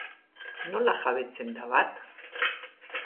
Nola jabetzen da bat?